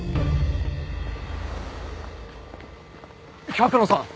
百野さん